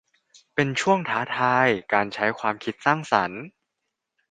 เป็นช่วงท้าทายการใช้ความคิดสร้างสรรค์